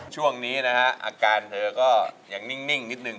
ช่วงนี้นะฮะอาการเธอก็ยังนิ่งนิดนึง